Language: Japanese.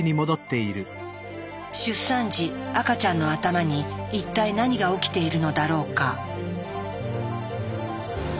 出産時赤ちゃんの頭に一体何が起きているのだろうか？